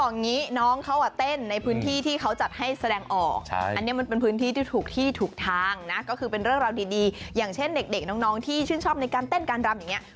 น้องเขามีความกล้าแสดงออกไง